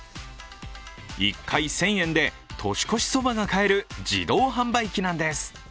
１回１０００円で年越しそばが買える自動販売機なんです。